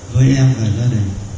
với em và gia đình